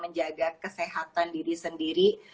menjaga kesehatan diri sendiri